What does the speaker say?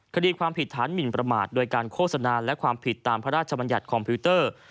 คดีความผิดฐานหมินประมาทโดยการโฆษณาและความผิดตามพระราชบัญญัติคอมพิวเตอร์